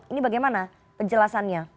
ini bagaimana penjelasannya